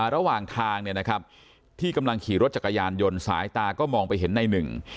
ระหว่างทางเนี่ยนะครับที่กำลังขี่รถจักรยานยนต์สายตาก็มองไปเห็นในหนึ่ง